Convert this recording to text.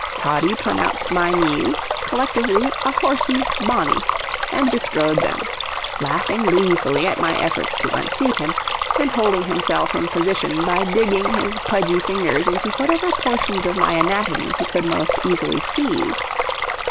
Toddie pronounced my knees, collectively a horsie "bonnie," and bestrode them, laughing gleefully at my efforts to unseat him, and holding himself in position by digging his pudgy fingers into whatever portions of my anatomy he could most easily seize.